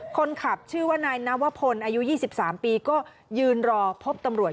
คนขับชื่อว่านายนวพลอายุ๒๓ปีก็ยืนรอพบตำรวจ